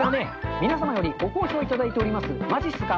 皆様よりご好評いただいておりますまじっすか。